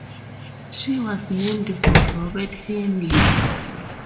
She was named for Robert Henley.